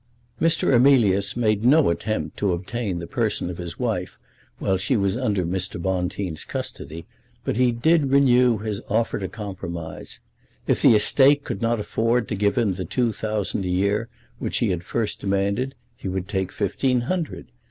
Mr. Emilius made no attempt to obtain the person of his wife while she was under Mr. Bonteen's custody, but he did renew his offer to compromise. If the estate could not afford to give him the two thousand a year which he had first demanded, he would take fifteen hundred.